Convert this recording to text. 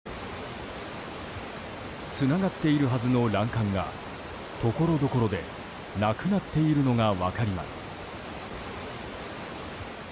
つながっているはずの欄干がところどころでなくなっているのが分かります。